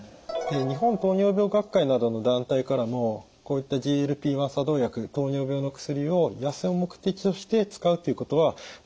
日本糖尿病学会などの団体からもこういったＧＬＰ−１作動薬糖尿病の薬を痩せる目的として使うということは推奨されていません。